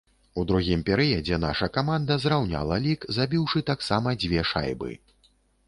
У другім перыядзе наша каманда зраўняла лік, забіўшы таксама дзве шайбы.